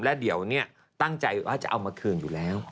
แล้วเดี๋ยวเนี่ยตั้งใจว่าจะเอามาคืนอยู่แล้ว